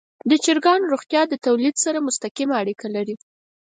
د چرګانو روغتیا د تولید سره مستقیمه اړیکه لري.